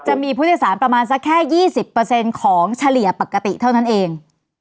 จะมีผู้โดยสารประมาณสักแค่๒๐ของเฉลี่ยปกติเท่านั้นเอง